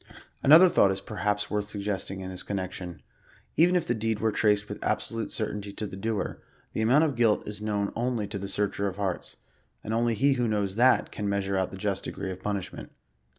Another thought is perhaps worth suggesting in this con nection. Even if the deed were traced with absolute certainty to the doer, the amount qf his guilt is known only to the Searcher of hearts ; and only he who knows that, can measure out the just degree of punishment.